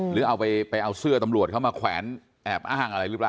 หรือเอาไปเอาเสื้อตำรวจเข้ามาแขวนแอบอ้างอะไรหรือเปล่า